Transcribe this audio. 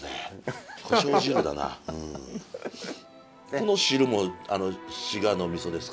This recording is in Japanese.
この汁も滋賀のみそですか？